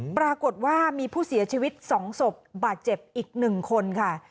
ปรากฏว่ามีผู้เสียชีวิต๒ศพบาดเจ็บอีก๑คนค่ะ